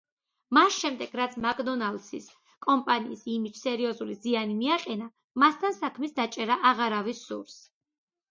მას შემდეგ, რაც მაკდონალდსის კომპანიის იმიჯს სერიოზული ზიანი მიაყენა, მასთან საქმის დაჭერა აღარავის სურს.